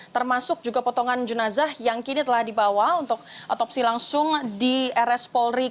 termasuk juga potongan junazah yang kini telah dibawa untuk otopsi langsung di rs polri kramatjati di instalan si forensik